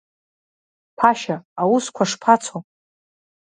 Ԥашьа, аусқәа шԥацо?